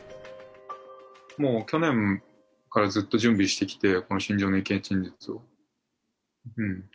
もう、去年からずっと準備してきて、この心情の意見陳述を。